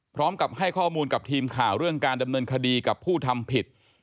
พร้อมกับให้ข้อมูลกับทีมข่าวเรื่องการดำเนินคดีกับผู้ทำผิด